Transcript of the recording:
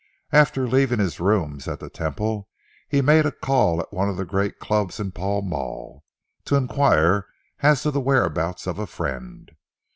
After leaving his rooms at the Temple, he made a call at one of the great clubs in Pall Mall, to enquire as to the whereabouts of a friend.